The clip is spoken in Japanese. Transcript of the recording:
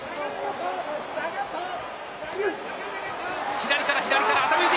左から、左から熱海富士。